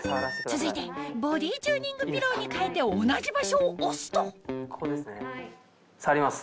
続いてボディーチューニングピローに替えて同じ場所を押すとここですね触ります。